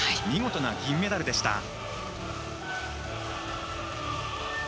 見事な銀メダルでした。